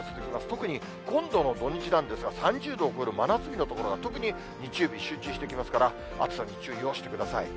特に今度の土日なんですが、３０度を超える真夏日の所が、特に日曜日、集中してきますから、暑さに注意をしてください。